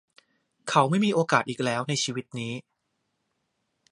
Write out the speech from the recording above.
เขาไม่มีโอกาสอีกแล้วในชีวิตนี้